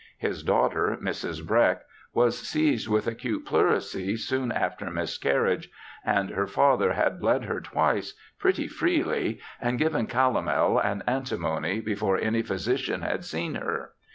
His daughter, Mrs. Breck, was seized with acute pleurisy, soon after miscarriage, and her father had bled her twice, pretty freely, and given calomel and antimony, before any phy sician had seen her.